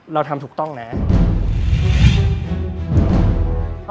เราทำถูกต้องนะ